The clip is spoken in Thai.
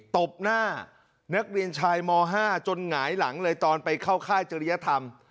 ตบหน้านักเรียนชายม๕จนหงายหลังเลยตอนไปเข้าค่ายจริยธรรม